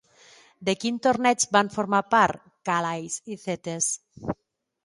De quin torneig van formar part Càlais i Zetes?